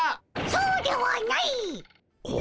そうではないっ！